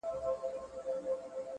که غچيدله زنده گي په هغه ورځ درځم”